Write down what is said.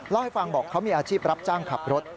เล่าให้ฟังบอกเขามีอาชีพรับจ้างขับรถ